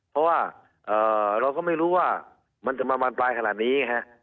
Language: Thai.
เพราะว่าเราก็ไม่รู้ว่ามันจะมาบานปลายขนาดนี้ฮะ